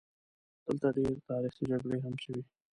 دلته ډېرې تاریخي جګړې هم شوي.